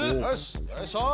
よいしょ。